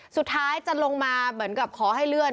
สุดท้ายจะลงมาเหมือนกับขอให้เลื่อน